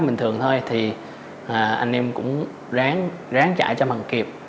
mình thường thôi thì anh em cũng ráng chạy cho bằng kịp